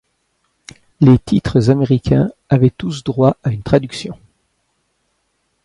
Les titres américains avaient tous droit à une traduction.